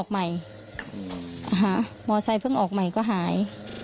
หามอเซย์เพิ่งออกใหม่ก็หาย